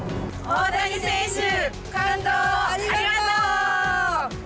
大谷選手、感動をありがとう。